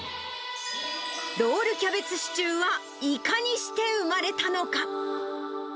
ロールキャベツシチューはいかにして生まれたのか。